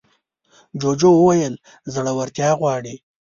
جوجو وویل زړورتيا غواړي.